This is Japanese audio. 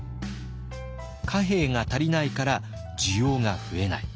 貨幣が足りないから需要が増えない。